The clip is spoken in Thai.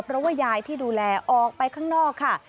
เพราะว่ายายที่ดูแลออกไปข้างนอกค่ะ